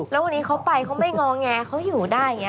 แล้ววันนี้เขาไปเขาไม่งอแงเขาอยู่ได้อย่างนี้